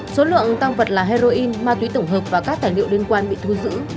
số lượng tăng vật là heroin ma túy tổng hợp và các tài liệu liên quan bị thu giữ